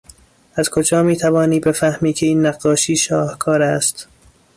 از کجا میتوانی بفهمی که این نقاشی شاهکار است؟